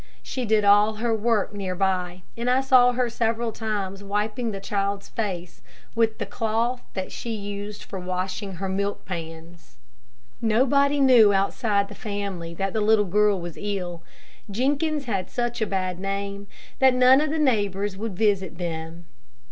She did all her work near by, and I saw her several times wiping the child's face with the cloth that she used for washing her milk pans. Nobody knew outside the family that the little girl was ill. Jenkins had such a bad name, that none of the neighbors would visit them.